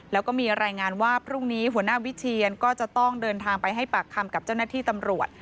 แล้วก็มีรายงานว่าพรุ่งนี้หัวหน้าวิเชียนก็จะต้องเดินทางไปให้ปากคำกับเจ้าหน้าที่ตำรวจ